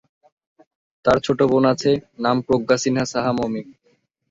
তার ছোট বোন আছে, নাম- প্রজ্ঞা সিনহা সাহা মমি।